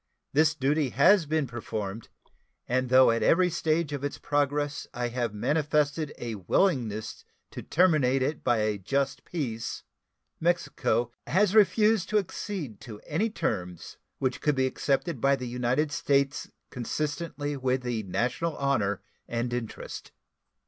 This duty has been performed, and though at every stage of its progress I have manifested a willingness to terminate it by a just peace, Mexico has refused to accede to any terms which could be accepted by the United States consistently with the national honor and interest.